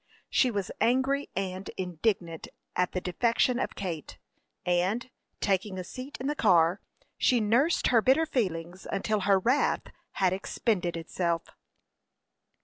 She was angry and indignant at the defection of Kate, and, taking a seat in the car, she nursed her bitter feelings until her wrath had expended itself.